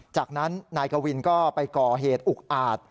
จากนั้นนายกวินก็ไปก่อเหตุอุกอาจ